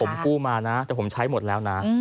ผมกู้มานะแต่ผมใช้หมดแล้วนะ